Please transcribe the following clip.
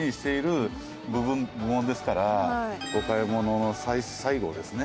でもお買い物の最後ですね